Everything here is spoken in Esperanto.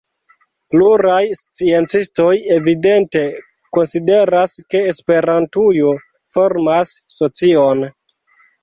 Pluraj sciencistoj evidente konsideras, ke Esperantujo formas socion.